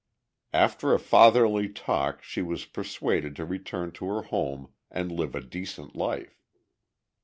After a fatherly talk she was persuaded to return to her home and live a decent life.